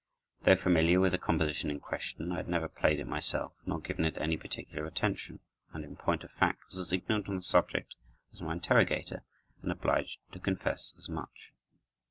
Though familiar with the composition in question, I had never played it myself, nor given it any particular attention, and in point of fact was as ignorant on the subject as my interrogator, and obliged to confess as much.